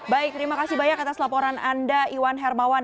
baik terima kasih banyak atas laporan anda iwan hermawan